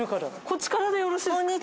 こっちからでよろしいですか？